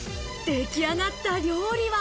出来上がった料理は。